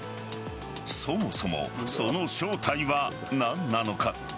そもそも、その正体は何なのか。